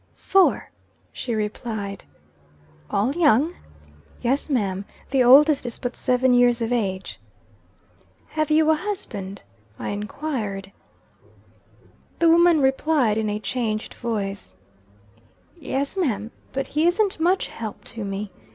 "Four," she replied. "All young?" "Yes ma'am. The oldest is but seven years of age." "Have you a husband?" I enquired. The woman replied in a changed voice: "Yes, ma'am. But he isn't much help to me.